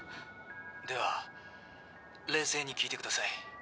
「では冷静に聞いてください」